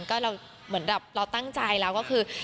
ก็เหมือนเราตั้งใจแล้วก็คือ